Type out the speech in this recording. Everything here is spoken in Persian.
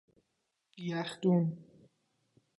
یخ دون